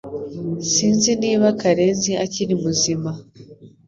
Sinzi niba Karenzi akiri muzima